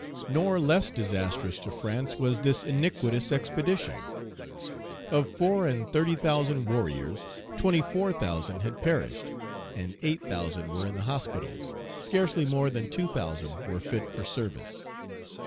Nor less disastrous to France was this iniquitous expedition. Of four and thirty thousand warriors, twenty four thousand had perished, and eight thousand were in the hospitals; scarcely more than two thousand were fit for service.